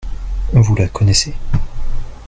Vous la connaissez ?